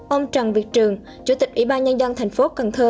ông trần việt trường chủ tịch ủy ban nhân dân cần thơ